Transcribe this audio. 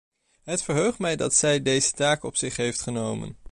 Het verheugt mij dat zij deze taak op zich heeft genomen.